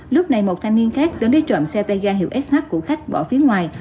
lúc này một thanh niên khác đến trộm xe tay ga hiệu sh của khách bỏ phía ngoài